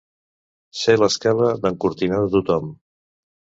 Ser l'escala d'encortinar de tothom.